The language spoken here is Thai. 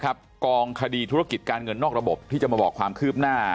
กองคดีธุรกิจการเงินนอกระบบที่จะมาบอกความคืบหน้า